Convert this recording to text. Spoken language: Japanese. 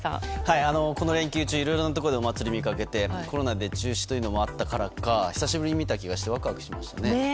この連休中いろいろなところでお祭りを見かけて、コロナで中止というのもあったからか久しぶりに見た気がしてワクワクしました。